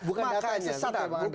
bukan data yang sesat pak andri